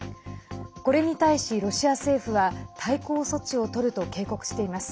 これに対しロシア政府は対抗措置をとると警告しています。